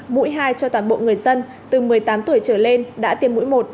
mũi hai cho toàn bộ người dân từ một mươi tám tuổi trở lên đã tiêm mũi một